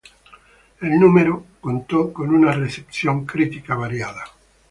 El número contó con una recepción crítica variada.